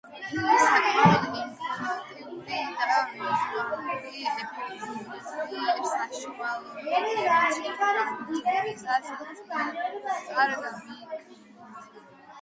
ფილმი საკმოდ ინფორმატიულია და ვიზუალური ეფექტების საშუალებით ემოციურ განწყობასაც წინასწარ გიქმნით.